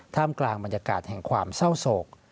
กลางบรรยากาศแห่งความเศร้าโศก